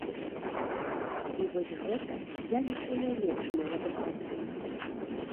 І вось гэта я лічу найлепшым у адукацыі.